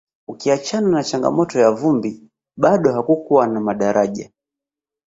ukiachana na changamoto ya vumbi bado hakukuwa na madaraja